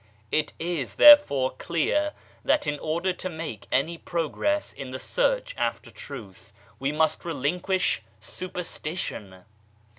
It is, therefore, clear that in order to make any progress in the search after truth we must relinquish Superstition.